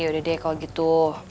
yaudah deh kalau gitu